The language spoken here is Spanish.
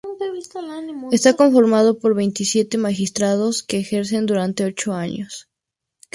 Está conformado por veintisiete magistrados que ejercen durante ocho años.